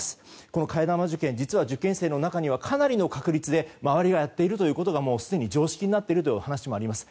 この替え玉受験実は受験生の中にはかなりの確率で周りがやっていることがすでに常識になっているという話もあります。